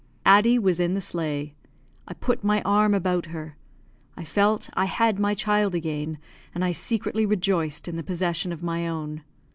Addie was in the sleigh. I put my arm about her. I felt I had my child again, and I secretly rejoiced in the possession of my own.